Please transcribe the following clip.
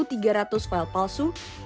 yang menggunakan nama serupa dengan aplikasi zoom